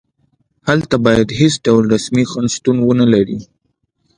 هلته باید هېڅ ډول رسمي خنډ شتون ونلري.